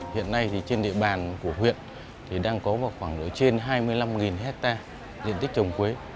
hiện nay thì trên địa bàn của huyện thì đang có vào khoảng độ trên hai mươi năm hectare diện tích trồng quế